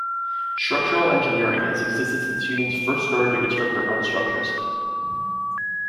Structural engineering has existed since humans first started to construct their own structures.